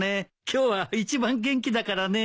今日は一番元気だからね。